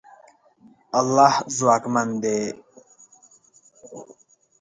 الله ځواکمن دی.